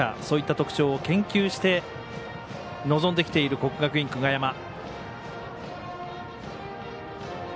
そういった特徴を研究して臨んできている国学院久我山。